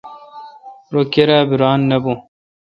رو کیرا بھ ران نہ بھو۔